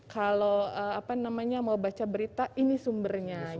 kalau mau baca berita ini sumbernya